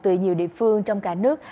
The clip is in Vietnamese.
từ nhiều địa phương trong cả nước